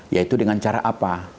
yaitu dengan cara apa